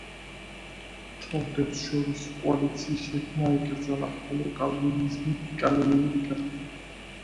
მთავრებს შორის კოალიციის შექმნა აიკრძალა, ხოლო კალვინიზმი კანონიერი გახდა.